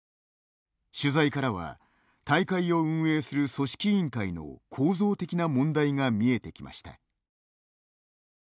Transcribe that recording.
取材からは、大会を運営する組織委員会の構造的な問題が見えてきました。